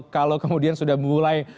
kalau kemudian sudah mulai